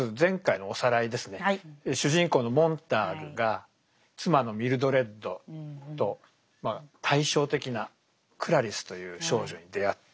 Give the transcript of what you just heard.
主人公のモンターグが妻のミルドレッドと対照的なクラリスという少女に出会って。